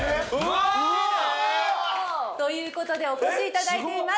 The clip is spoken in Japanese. マジで？という事でお越しいただいています。